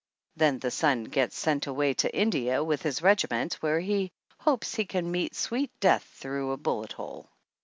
Then the son gets sent away to India with his regiment, where he hopes he can meet sweet death through a bullet hole.